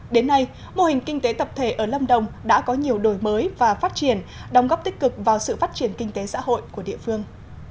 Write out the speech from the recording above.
đến nay mô hình kinh tế tập thể ở lâm đồng đã có nhiều đổi mới và phát triển đóng góp tích cực vào sự phát triển kinh tế xã hội của địa phương